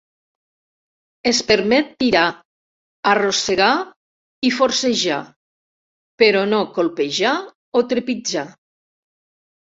Es permet tirar, arrossegar i forcejar, però no colpejar o trepitjar.